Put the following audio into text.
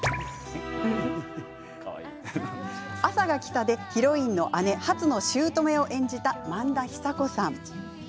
「あさが来た」でヒロインの姉、はつのしゅうとめを演じた萬田久子さん。